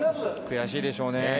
悔しいでしょうね。